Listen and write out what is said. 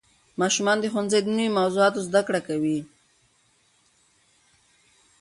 ماشومان د ښوونځي د نوې موضوعاتو زده کړه کوي